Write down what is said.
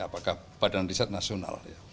apakah badan riset nasional